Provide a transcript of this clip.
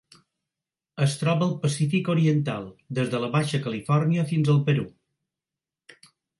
Es troba al Pacífic oriental: des de la Baixa Califòrnia fins al Perú.